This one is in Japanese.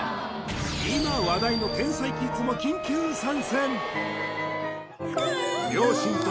今話題の天才キッズも緊急参戦！